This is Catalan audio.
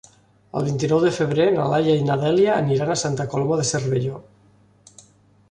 El vint-i-nou de febrer na Laia i na Dèlia aniran a Santa Coloma de Cervelló.